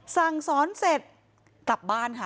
สั่งสอนเสร็จกลับบ้านค่ะ